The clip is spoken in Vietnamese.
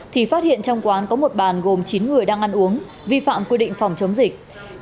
thì phát hiện trong quán có một bàn gồm chín người đang ăn uống vi phạm quy định phòng chống dịch